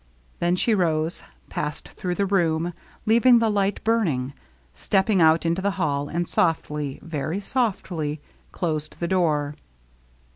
Then she rose, passed through the room, leaving the light burning, stepped out into the hall, and softly, very softly^ closed the door.